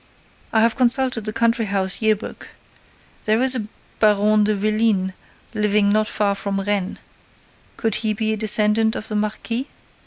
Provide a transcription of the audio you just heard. I have consulted the Country house Year book. There is a Baron de Vélines living not far from Rennes. Could he be a descendant of the marquis?